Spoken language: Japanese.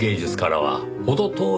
はい。